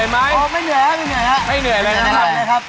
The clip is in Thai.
ไม่เหนื่อยครับไม่เหนื่อยครับ